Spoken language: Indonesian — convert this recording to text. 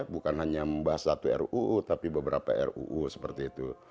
bukan hanya membahas satu ruu tapi beberapa ruu seperti itu